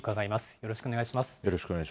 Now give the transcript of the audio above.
よろしくお願いします。